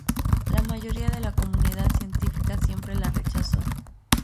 La mayoría de la comunidad científica siempre la rechazó.